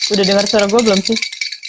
udah dengar suara gue belum sih